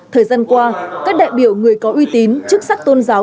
thời gian qua các đại biểu người có uy tín chức sắc tôn giáo